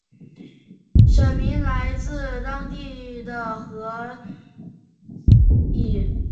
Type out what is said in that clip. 县名来自当地的河狸。